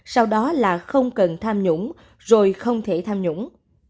sau đó là không cần tham nhũng rồi không thể tham nhũng